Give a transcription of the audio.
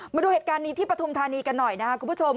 มาดูเหตุการณ์นี้ที่ปฐุมธานีกันหน่อยนะครับคุณผู้ชม